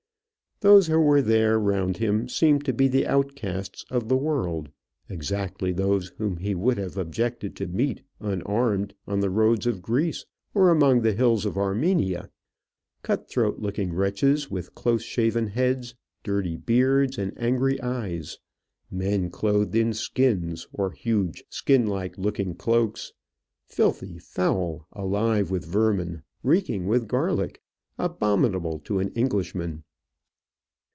Those who were there around him seemed to be the outcasts of the world, exactly those whom he would have objected to meet, unarmed, on the roads of Greece or among the hills of Armenia; cut throat looking wretches, with close shaven heads, dirty beards, and angry eyes; men clothed in skins, or huge skin like looking cloaks, filthy, foul, alive with vermin, reeking with garlic, abominable to an Englishman.